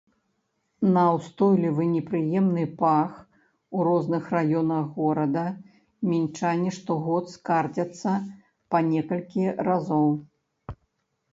На ўстойлівы непрыемны пах у розных раёнах горада мінчане штогод скардзяцца па некалькі разоў.